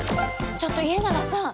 ちょっと家長さん！